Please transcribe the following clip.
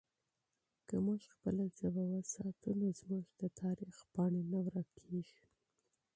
که موږ خپله ژبه وساتو نو زموږ د تاریخ پاڼې نه ورکېږي.